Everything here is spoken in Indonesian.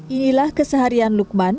inilah keseharian lukman